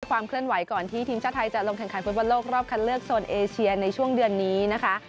ความเคลื่อนไหวก่อนที่ทีมชาติไทยจะลงแข่งขันฟุตบอลโลกรอบคันเลือกโซนเอเชียในช่วงเดือนนี้นะคะ